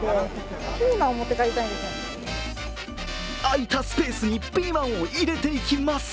空いたスペースにピーマンを入れていきます。